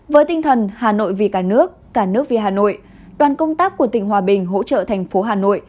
với tinh thần hà nội vì cả nước cả nước vì hà nội đoàn công tác của tỉnh hòa bình hỗ trợ thành phố hà nội